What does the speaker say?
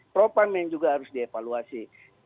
pro pump ini juga harus dievaluasi